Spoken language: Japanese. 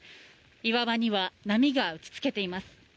岩場には波が打ちつけています。